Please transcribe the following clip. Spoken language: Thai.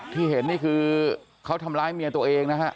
ที่เห็นนี่คือเขาทำร้ายเมียตัวเองนะฮะ